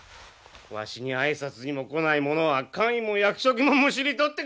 わしに挨拶にも来ない者は官位も役職もむしり取ってくれるぞ！